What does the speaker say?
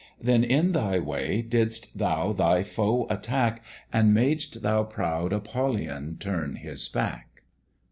Then in thy way didst thou thy foe attack, And mad'st thou proud Apollyon turn his back?'